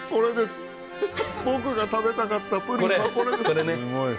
僕が食べたかったプリンはこれです。